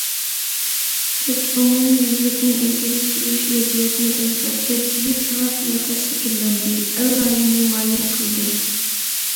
تۆت ئومۇميۈزلۈكنى ئىلگىرى سۈرۈش ۋەزىيەتنى ئۆزگەرتىپ، يىپ يېڭى قىياپەت شەكىللەندى، ئەل رايىنى مايىل قىلدى.